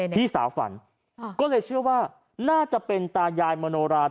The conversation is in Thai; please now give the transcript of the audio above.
พี่สาวฝันก็เลยเชื่อว่าน่าจะเป็นตายายมโนรา